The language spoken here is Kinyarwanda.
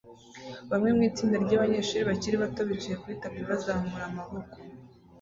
Bamwe mu itsinda ryabanyeshuri bakiri bato bicaye kuri tapi bazamura amaboko